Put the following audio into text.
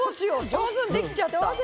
上手にできちゃった。